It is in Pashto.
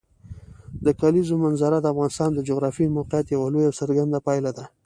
د کلیزو منظره د افغانستان د جغرافیایي موقیعت یوه لویه او څرګنده پایله ده.